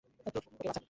ওকে, বাছা!